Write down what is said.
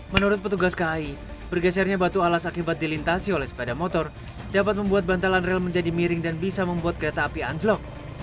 menurut petugas kai bergesernya batu alas akibat dilintasi oleh sepeda motor dapat membuat bantalan rel menjadi miring dan bisa membuat kereta api anjlok